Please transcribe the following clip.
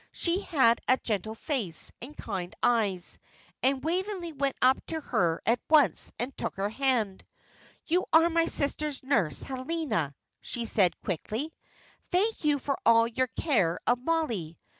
She had a gentle face, and kind eyes, and Waveney went up to her at once and took her hand. "You are my sister's Nurse Helena," she said, quickly. "Thank you for all your care of Mollie.